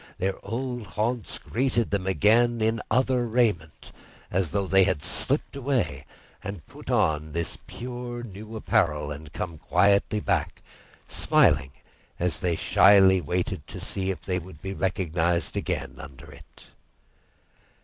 Their old haunts greeted them again in other raiment, as if they had slipped away and put on this pure new apparel and come quietly back, smiling as they shyly waited to see if they would be recognised again under it.